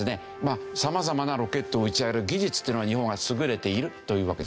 さまざまなロケットを打ち上げる技術というのは日本は優れているというわけです。